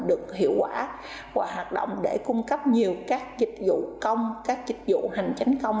được hiệu quả và hoạt động để cung cấp nhiều các dịch vụ công các dịch vụ hành tránh công